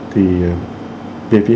thì về phía